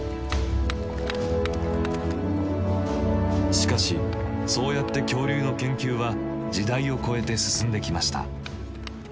しかしそうやって恐竜の研究は時代を超えて進んできました。